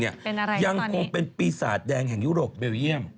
เป็นอะไรยังคงเป็นปีศาจแดงแห่งยุโรปเบลเยี่ยม